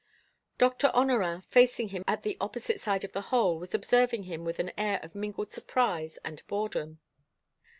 Doctor Honorat, facing him at the opposite side of the hole, was observing him with an air of mingled surprise and boredom.